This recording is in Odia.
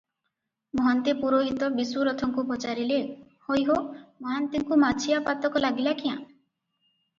ମହନ୍ତେ ପୁରୋହିତ ବିଶୁ ରଥଙ୍କୁ ପଚାରିଲେ, "ହୋଇ ହୋ, ମହାନ୍ତିଙ୍କୁ ମାଛିଆ ପାତକ ଲାଗିଲା କ୍ୟାଁ?